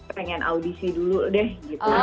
pengen audisi dulu deh gitu